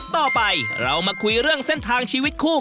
ต่อไปเรามาคุยเรื่องเส้นทางชีวิตคู่